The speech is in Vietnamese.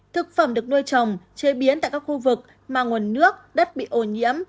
thực phẩm được nuôi trồng chế biến tại các khu vực mà nguồn nước đất bị ô nhiễm